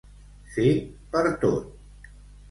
Fer per tot.